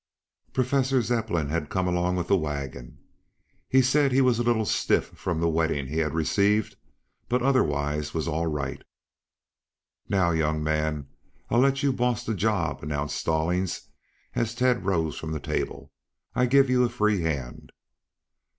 Professor Zepplin had come along with the wagon. He said he was a little stiff from the wetting he had received, but otherwise was all right. "Now, young man, I'll let you boss the job," announced Stallings as Tad rose from the table. "I give you a free hand."